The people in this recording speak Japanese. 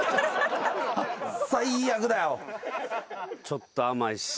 ちょっと甘いし。